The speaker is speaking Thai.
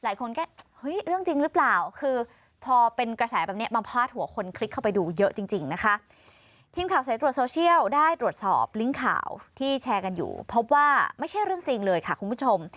อยู่เพราะว่าไม่ใช่เรื่องจริงเลยค่ะคุณผู้ชม